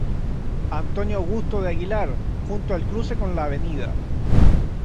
António Augusto de Aguiar", junto al cruce con la "Av.